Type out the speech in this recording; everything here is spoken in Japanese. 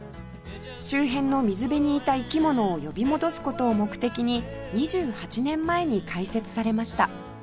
周辺の水辺にいた生き物を呼び戻す事を目的に２８年前に開設されました